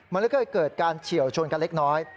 มันเลยเกิดการเฉียวชนกันเล็กน้อย